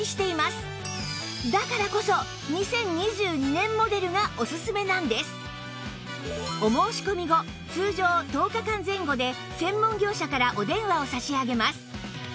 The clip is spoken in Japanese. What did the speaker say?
だからこそお申し込み後通常１０日間前後で専門業者からお電話を差し上げます